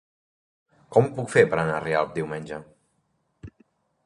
Com ho puc fer per anar a Rialp diumenge?